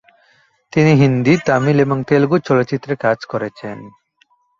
তিনি হিন্দি, তামিল এবং তেলুগু চলচ্চিত্রে কাজ করেছেন।